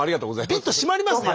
ビッと締まりますね